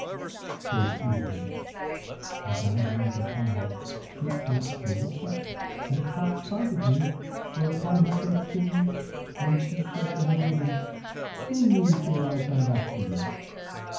Quoth Ibrahim, "As I gazed upon her, she chanced to look up and caught sight of me whereupon her face changed and she said to her women, 'Sing ye till I come back to you.'